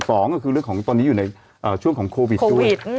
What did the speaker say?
สองก็คือเรื่องของตอนนี้อยู่ในช่วงของโควิดด้วย